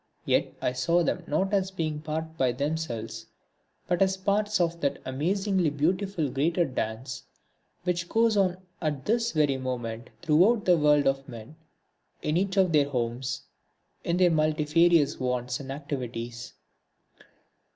Yet I saw them not as being apart by themselves, but as parts of that amazingly beautiful greater dance which goes on at this very moment throughout the world of men, in each of their homes, in their multifarious wants and activities.